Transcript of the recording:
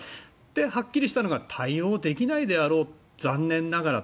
はっきりしたのが対応できないであろう残念ながらと。